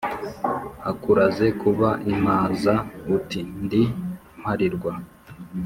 akuraze kuba impaza uti : ndi mparirwa